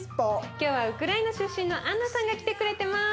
今日はウクライナ出身のアンナさんが来てくれてます。